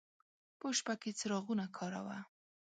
په شپه کې څراغونه کاروه.